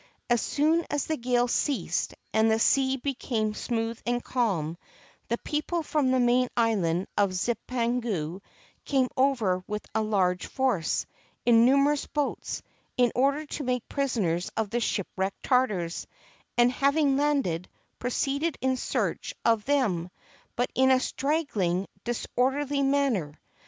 As soon as the gale ceased and the sea be came smooth and calm, the people from the main island of Zipangu came over with a large force, in numerous boats, in order to make prisoners of these shipwrecked Tartars, and having landed, proceeded in search of them, but in a straggling, disorderly manner.